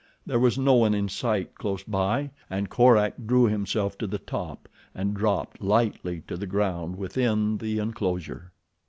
There was no one in sight close by, and Korak drew himself to the top and dropped lightly to the ground within the enclosure.